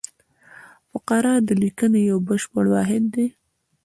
فقره د لیکني یو بشپړ واحد دئ.